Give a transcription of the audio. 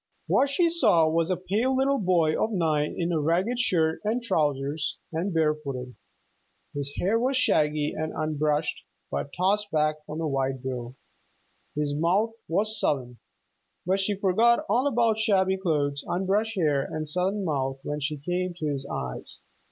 What she saw was a pale little boy of nine in a ragged shirt and trousers, and barefooted. His hair was shaggy and unbrushed but tossed back from a wide brow. His mouth was sullen. But she forgot all about shabby clothes, unbrushed hair, and sullen mouth when she came to his eyes.